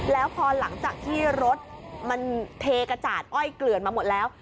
แล้วพอหลังจากที่รถมันเทกระจาดอ้อยเกลือนมาหมดแล้ว